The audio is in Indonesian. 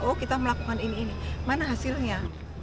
oh kita melakukan ini ini mana hasilnya